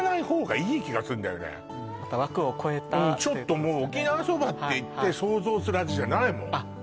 もうねうんちょっともう沖縄そばっていって想像する味じゃないもんあっ